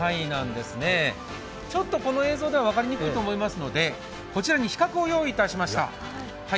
ちょっとこの映像では分かりにくいと思いますので、こちらに比較を用意しました。